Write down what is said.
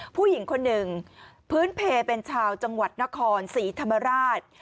ผู้หญิงคนหนึ่งพื้นเพลเป็นชาวจังหวัดนครศรีธรรมราช